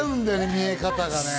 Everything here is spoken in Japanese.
見え方がね。